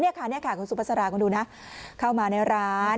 นี่ค่ะคุณสุปัสราคุณดูนะเข้ามาในร้าน